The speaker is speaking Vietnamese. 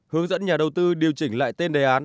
hướng dẫn nhà đầu tư điều chỉnh lại tên đề án